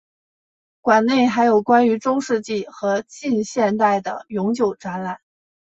馆内还有关于中世纪和近现代的永久展览。